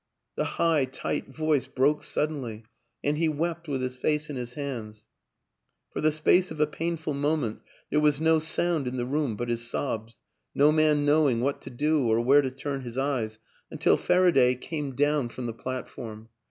" The high, tight voice broke suddenly and he wept with his face in his hands. For the space of a painful moment there was no sound in the room but his sobs no man knowing what to do or where to turn his eyes until Faraday came down 228 WILLIAM AN ENGLISHMAN from the platform.